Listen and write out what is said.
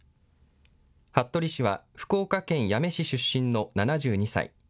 服部氏は福岡県八女市出身の７２歳。